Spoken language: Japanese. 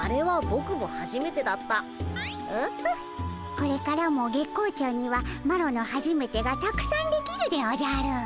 これからも月光町にはマロのはじめてがたくさんできるでおじゃる。